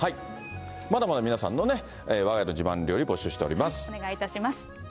まだまだ皆さんのね、わが家の自お願いいたします。